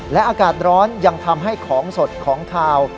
และอากาศร้อนยังทำให้ของสดของขาว